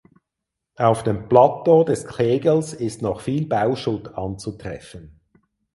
Auf dem Plateau des Kegels ist noch viel Bauschutt anzutreffen.